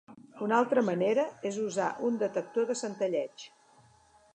Una altra manera és usar un detector de centelleig.